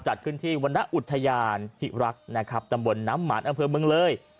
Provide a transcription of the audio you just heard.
จัดขึ้นที่วรรณอุทยานพิรักษ์นะครับตำบลน้ำหมานอำเภอเมืองเลย